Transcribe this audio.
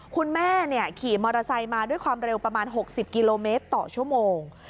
คุณแม่ขี่มอเตอร์ไซค์มาด้วยความเร็วประมาณ๖๐กิโลเมตรต่อชั่วโมง